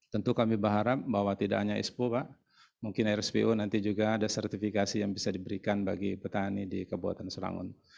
tentu kami berharap bahwa tidak hanya ispo pak mungkin rspo nanti juga ada sertifikasi yang bisa diberikan bagi petani di kabupaten serangun